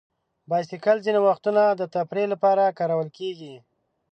بایسکل ځینې وختونه د تفریح لپاره کارول کېږي.